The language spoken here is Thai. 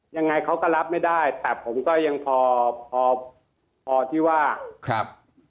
ยังไงเขาก็รับไม่ได้แต่ผมก็ยังพอพอที่ว่าครับ